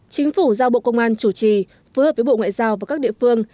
chính phủ giao bộ công an chủ trì phối hợp với bộ ngoại giao và các địa phương